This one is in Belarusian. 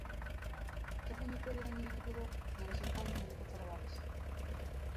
Чаго ніколі раней не было, на развітанні яны пацалаваліся.